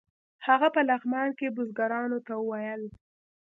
هغه په لغمان کې بزګرانو ته ویل.